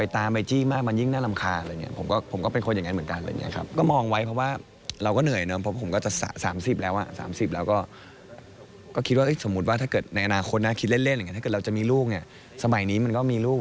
ถ้าเกิดเราจะมีลูกเนี่ยสมัยนี้มันก็มีลูก